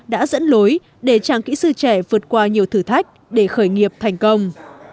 đã dẫn lối để chàng kỹ sư trẻ vượt qua nhiều thử thách để khởi nghiệp thành công